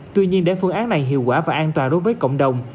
tuy nhiên để phương án này hiệu quả và an toàn đối với cộng đồng